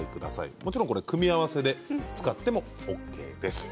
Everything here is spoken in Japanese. もちろん組み合わせで使ってもＯＫです。